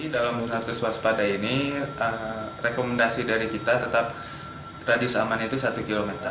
dalam status waspada ini rekomendasi dari kita tetap radius aman itu satu km